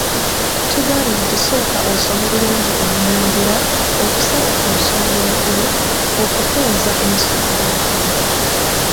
Tugambye nti sooka osome bulungi ennyanjula, okusaza ku nsonga enkulu, okufunza ensonga enkulu.